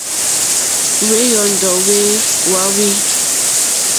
Wéyɔ́ndɔ̀ wé wáwî.